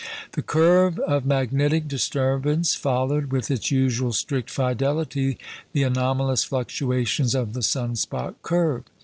The curve of magnetic disturbance followed with its usual strict fidelity the anomalous fluctuations of the sun spot curve.